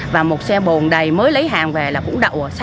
và một xe bồn đầy mới lấy hàng về là cũng đậu xe